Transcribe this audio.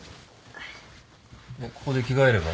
ここで着替えれば？